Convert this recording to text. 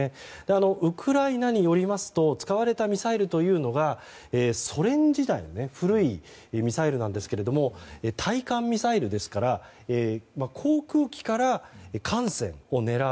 ウクライナによりますと使われたミサイルというのがソ連時代の古いミサイルなんですけども対艦ミサイルですから本来は航空機から艦船を狙う。